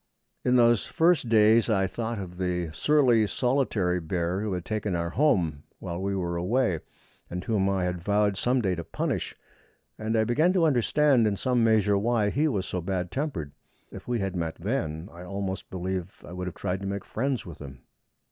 In those first days I thought of the surly solitary bear who had taken our home while we were away, and whom I had vowed some day to punish; and I began to understand in some measure why he was so bad tempered. If we had met then, I almost believe I would have tried to make friends with him.